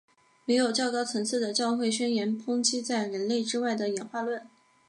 没有较高层级的教会宣言抨击在人类之外的演化论。